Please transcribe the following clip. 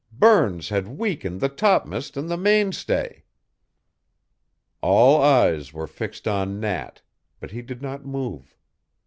Burns had weakened the topm'st and the mainstay!" All eyes were fixed on Nat, but he did not move.